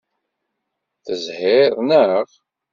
Tezhiḍ, naɣ?